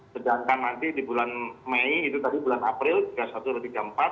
sedangkan nanti di bulan mei itu tadi bulan april tiga puluh satu atau tiga puluh empat